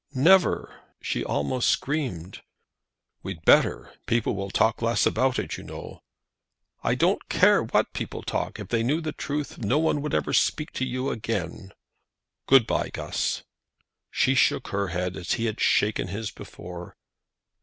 "Never," she almost screamed. "We'd better. People will talk less about it, you know." "I don't care what people talk. If they knew the truth, no one would ever speak to you again." "Good bye, Guss." She shook her head, as he had shaken his before.